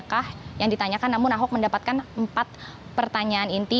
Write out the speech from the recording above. yang ditanyakan namun ahok mendapatkan empat pertanyaan inti